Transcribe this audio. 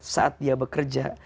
saat dia bekerja